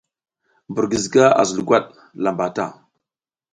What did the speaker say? Mbur giziga a zul gwat lamba ta.